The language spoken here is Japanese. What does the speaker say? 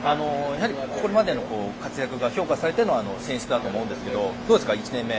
これまでの活躍が評価されての選出だと思うんですがどうですか、１年目